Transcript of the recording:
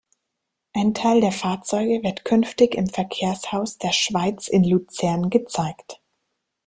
Ein Teil der Fahrzeuge wird künftig im Verkehrshaus der Schweiz in Luzern gezeigt.